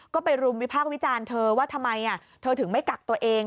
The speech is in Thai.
ก็ไปรุมวิพากษ์วิจารณ์เธอว่าทำไมเธอถึงไม่กักตัวเอง